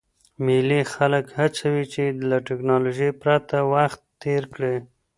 مېلې خلک هڅوي، چي له ټکنالوژۍ پرته وخت تېر کي.